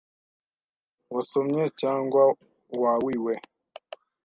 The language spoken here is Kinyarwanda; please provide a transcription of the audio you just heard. wasomye yangwa wawiwe